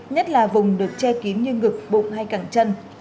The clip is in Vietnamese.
nhất là vùng được che kín như ngực bụng hay càng chân